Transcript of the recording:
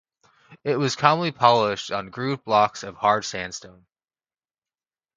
It was commonly polished on grooved blocks of hard sandstone.